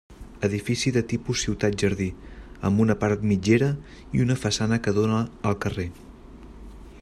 Edifici de tipus ciutat-jardí, amb una part mitgera i una façana que dóna al carrer.